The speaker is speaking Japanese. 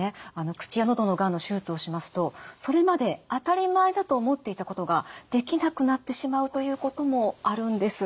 口や喉のがんの手術をしますとそれまで当たり前だと思っていたことができなくなってしまうということもあるんです。